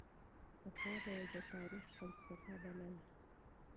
پخوا به یې د تاریخ فلسفه بلله.